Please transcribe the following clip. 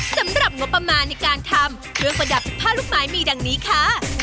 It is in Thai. สำหรับงบประมาณในการทำเครื่องประดับผ้าลูกไม้มีดังนี้ค่ะ